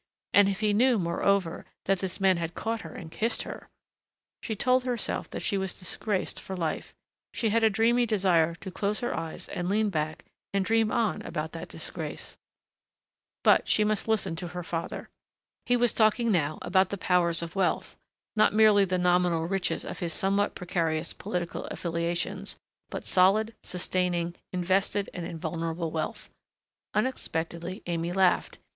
And if he knew, moreover, that this man had caught her and kissed her ! She told herself that she was disgraced for life. She had a dreamy desire to close her eyes and lean back and dream on about that disgrace.... But she must listen to her father. He was talking now about the powers of wealth, not merely the nominal riches of his somewhat precarious political affiliations, but solid, sustaining, invested and invulnerable wealth. Unexpectedly Aimée laughed.